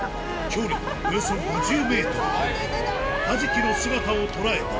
距離およそ５０ｍカジキの姿を捉えた！